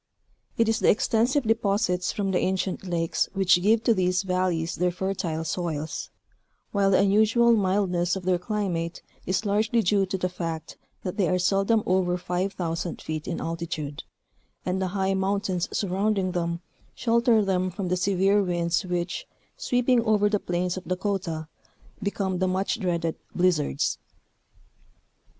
It is the extensive deposits from the ancient lakes which give to these valleys their fertile soils, while the unusual mildness of their climate is largely due to the fact that they are seldom over 5,000 feet in altitude, and the high mountains surrounding them shelter them from the severe winds which, sweeping over the plains of Dakota, become the much dreaded " blizzards."